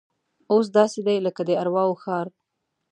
اوس داسې دی لکه د ارواو ښار.